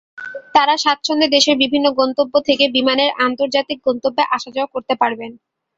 তাঁরা স্বাচ্ছন্দ্যে দেশের বিভিন্ন গন্তব্য থেকে বিমানের আন্তর্জাতিক গন্তব্যে আসা-যাওয়া করতে পারবেন।